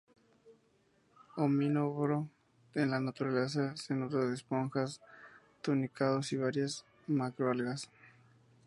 Omnívoro, en la naturaleza se nutre de esponjas, tunicados y varias macroalgas.